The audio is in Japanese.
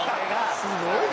「すごいね」